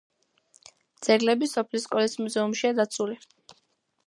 ძეგლები სოფლის სკოლის მუზეუმშია დაცული.